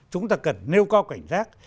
chúng ta cần nêu co cảnh giác